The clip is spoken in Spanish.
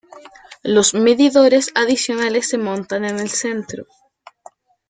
Los medidores adicionales se montan en el centro.